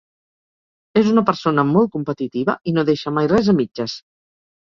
És una persona molt competitiva i no deixa mai res a mitges.